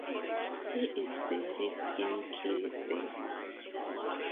He is buried in Killybegs.